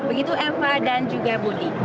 begitu eva dan juga budi